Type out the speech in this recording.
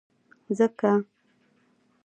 ځکه،